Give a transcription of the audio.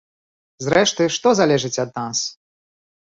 Зрэшты, што залежыць ад нас?